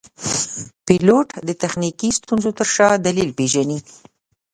پیلوټ د تخنیکي ستونزو تر شا دلیل پېژني.